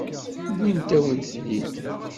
Wwint-awen-ten-id.